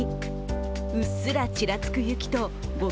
うっすらちらつく雪と五分